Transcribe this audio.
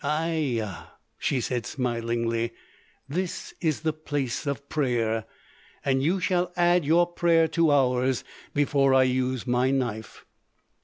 "Ayah!" she said smilingly. "This is the Place of Prayer. And you shall add your prayer to ours before I use my knife.